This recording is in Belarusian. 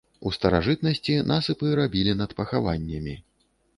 У старажытнасці насыпы рабілі над пахаваннямі.